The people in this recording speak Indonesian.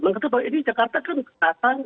menurut saya ini jakarta kan datang